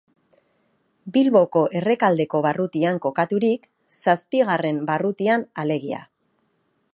Bilboko Errekaldeko barrutian kokaturik, zazpigarren barrutian alegia.